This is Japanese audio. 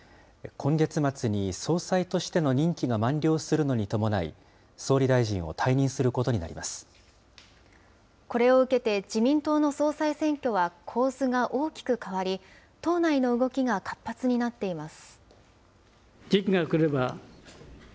今月末に、総裁としての任期が満了するのに伴い、総理大臣を退任これを受けて、自民党の総裁選挙は構図が大きく変わり、党内の動きが活発になっています。